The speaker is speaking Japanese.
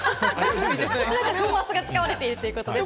粉末が使われているということです。